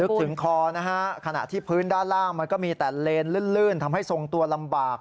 ถึงคอนะฮะขณะที่พื้นด้านล่างมันก็มีแต่เลนลื่นทำให้ทรงตัวลำบาก